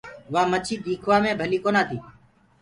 وآ مڇي ديکوآ مي ڀلي ڪونآ تي۔